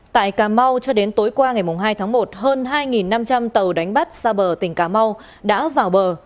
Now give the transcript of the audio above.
tại cà mau cho đến tối qua ngày hai tháng một hơn hai năm trăm linh tàu đánh bắt xa bờ tỉnh cà mau đã vào bờ